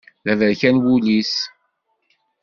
D aberkan wul-is.